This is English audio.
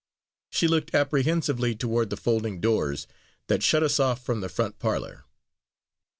She looked apprehensively toward the folding doors that shut us off from the front parlor.